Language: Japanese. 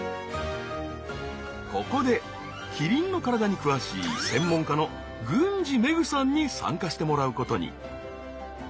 ここでキリンの体に詳しい専門家の郡司芽久さんに参加してもらうことに。